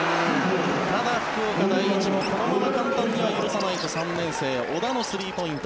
ただ、福岡第一もこのまま簡単には許さないと３年生、小田のスリーポイント。